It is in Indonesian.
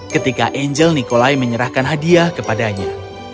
ketika angel nikolai menyerahkan hadiah kepadanya